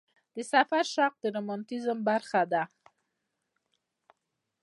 د سفر شوق د رومانتیزم برخه ده.